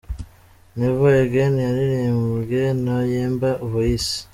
Neva egeni yaririmbwe na Yemba Voyisi .